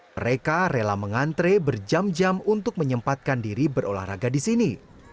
mereka rela mengantre berjam jam untuk menyempatkan diri berolahraga di sini